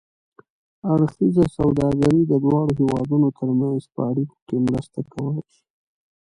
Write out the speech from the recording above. اړخیزه سوداګري د دواړو هېوادونو ترمنځ په اړیکو کې مرسته کولای شي.